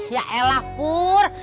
ya elah pur